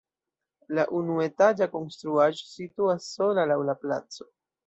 La unuetaĝa konstruaĵo situas sola laŭ la placo.